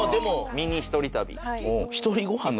ミニ一人旅。